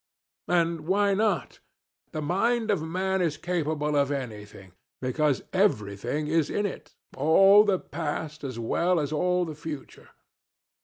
And why not? The mind of man is capable of anything because everything is in it, all the past as well as all the future.